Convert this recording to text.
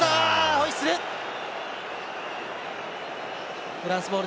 ホイッスル！